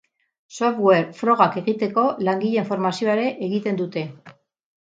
Software frogak egiteko langileen formazioa ere egiten dute.